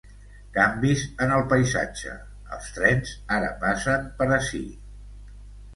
Canvis en el paisatge. Els Trens ara passen per ací.